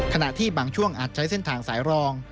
ขณะที่บางช่วงอาจใช้เส้นทางสายรอง